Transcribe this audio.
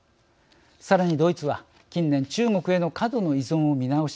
さらにドイツは近年中国への過度の依存を見直し